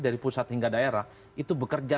dari pusat hingga daerah itu bekerja